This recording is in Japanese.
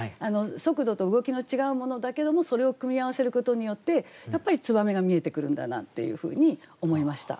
速度と動きの違うものだけどもそれを組み合わせることによってやっぱり燕が見えてくるんだなというふうに思いました。